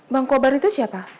bang kobar itu siapa